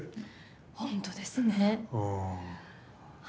本当ですね。